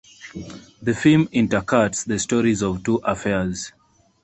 The film intercuts the stories of two affairs.